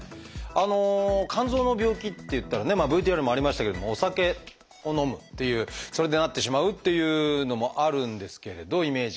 肝臓の病気っていったらねＶＴＲにもありましたけれどもお酒を飲むっていうそれでなってしまうっていうのもあるんですけれどイメージが。